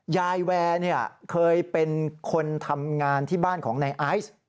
ยายแวร์เคยเป็นคนทำงานที่บ้านของนายไอซ์